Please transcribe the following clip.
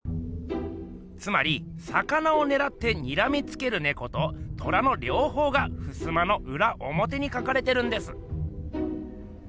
つまり魚をねらってにらみつけるねこと虎のりょうほうがふすまのうらおもてに描かれてるんです。